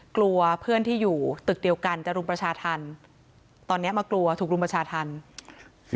กลัวเพื่อนที่อยู่ตึกเดียวกันจะรุมประชาธรรมตอนเนี้ยมากลัวถูกรุมประชาธรรม